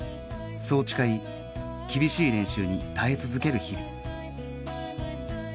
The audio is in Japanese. そう誓い厳しい練習に耐え続ける日々